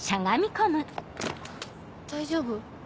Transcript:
大丈夫？